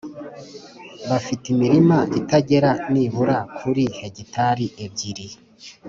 bafite imirima itagera nibura kuri hegitari ebyiri